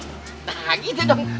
nah gitu dong